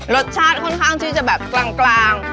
รสชาติค่อนข้างที่จะแบบกลาง